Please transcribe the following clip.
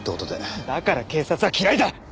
だから警察は嫌いだ！